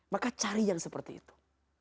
maka cari yang seperti itu